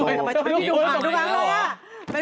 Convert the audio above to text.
เป็นไปดูไหม